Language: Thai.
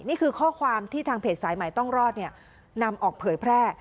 นี่คือข้อความที่ทางเพจสายใหม่ต้องรอดนำออกเผยแพร่